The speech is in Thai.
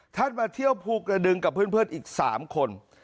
มาเที่ยวภูกระดึงกับเพื่อนอีก๓คน